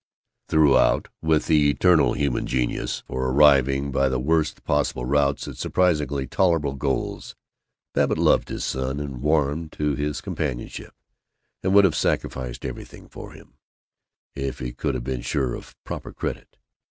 Throughout, with the eternal human genius for arriving by the worst possible routes at surprisingly tolerable goals, Babbitt loved his son and warmed to his companionship and would have sacrificed everything for him if he could have been sure of proper credit.